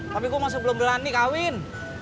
tapi gue masih belum berani kawin